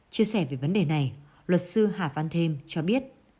chia sẻ về vấn đề này luật sư hà văn thêm cho biết